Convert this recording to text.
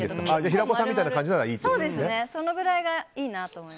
平子さんみたいな感じならいいと。